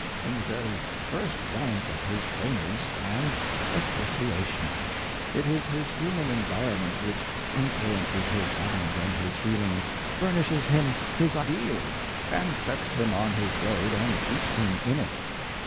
In the very first rank of his trainers stands association. It is his human environment which influences his mind and his feelings, furnishes him his ideals, and sets him on his road and keeps him in it.